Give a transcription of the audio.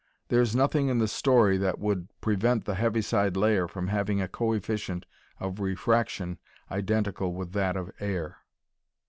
There is nothing in the story that would prevent the heaviside layer from having a coefficient of refraction identical with that of air.